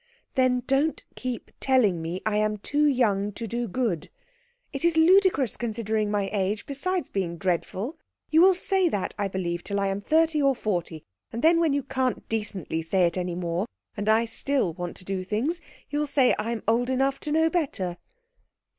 "Then don't keep telling me I am too young to do good. It is ludicrous, considering my age, besides being dreadful. You will say that, I believe, till I am thirty or forty, and then when you can't decently say it any more, and I still want to do things, you'll say I'm old enough to know better."